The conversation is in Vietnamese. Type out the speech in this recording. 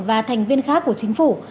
và thành viên khác của chính phủ